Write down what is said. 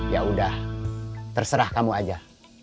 ya udah terserah kamu aja